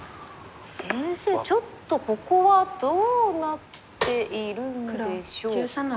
先生ちょっとここはどうなっているんでしょうか？